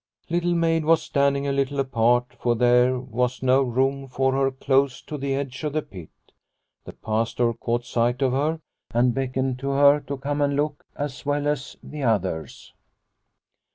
Little Maid was standing a little apart, for there was no room for her close to the edge of the pit. The Pastor caught sight of her and beckoned to her to come and look as well as the others.